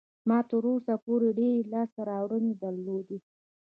ما تر اوسه پورې ډېرې لاسته راوړنې درلودې.